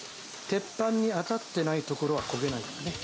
鉄板に当たってない所は焦げないんですね。